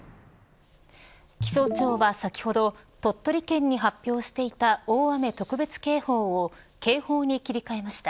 気象庁は先ほど鳥取県に発表していた大雨特別警報を警報に切り替えました。